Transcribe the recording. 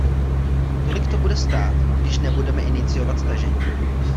Tolik to bude stát, když nebudeme iniciovat stažení.